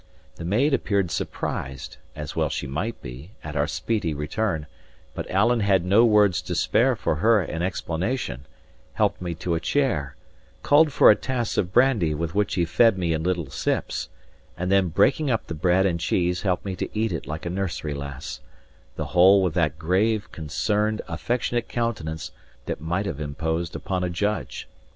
The maid appeared surprised (as well she might be) at our speedy return; but Alan had no words to spare for her in explanation, helped me to a chair, called for a tass of brandy with which he fed me in little sips, and then breaking up the bread and cheese helped me to eat it like a nursery lass; the whole with that grave, concerned, affectionate countenance, that might have imposed upon a judge.